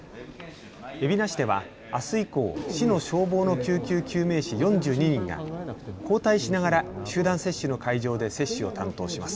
海老名市では、あす以降、市の消防の救急救命士４２人が交代しながら集団接種の会場で接種を担当します。